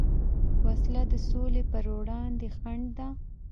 وسله د سولې پروړاندې خنډ ده